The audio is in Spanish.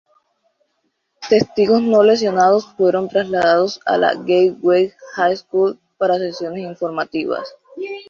Testigos no lesionados fueron trasladados a la Gateway High School para sesiones informativas.